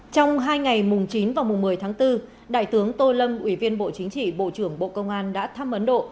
trong hai ngày mùng chín và mùng một mươi tháng bốn đại tướng tô lâm ủy viên bộ chính trị bộ trưởng bộ công an đã thăm ấn độ